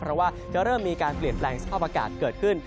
เพราะว่าจะเริ่มมีการเปลี่ยนแปลงสภาพอากาศเกิดขึ้น